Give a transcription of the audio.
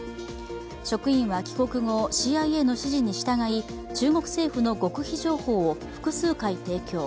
職員は帰国後、ＣＩＡの指示に従い中国政府の極秘情報を複数回提供。